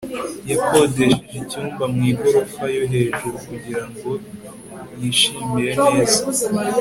yakodesheje icyumba mu igorofa yo hejuru kugira ngo yishimire neza